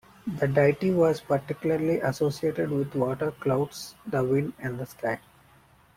The deity was particularly associated with water, clouds, the wind and the sky.